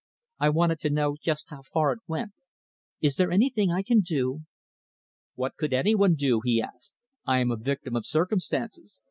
I wanted to know just how far it went. Is there anything I can do?" "What could any one do?" he asked. "I am the victim of circumstances."